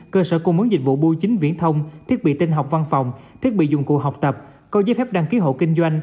cơ sở công ứng dịch vụ bưu chính viễn thông thiết bị tinh học văn phòng